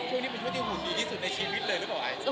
ช่วงนี้เป็นช่วงที่หุ่นดีที่สุดในชีวิตเลยหรือเปล่า